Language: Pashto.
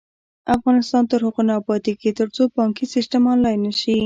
افغانستان تر هغو نه ابادیږي، ترڅو بانکي سیستم آنلاین نشي.